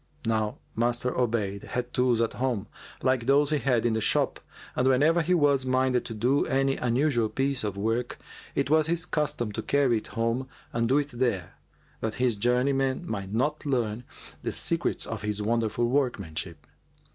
Now Master Obayd had tools at home, like those he had in the shop, and whenever he was minded to do any unusual piece of work, it was his custom to carry it home and do it there, that his journeymen might not learn the secrets of his wonderful workmanship.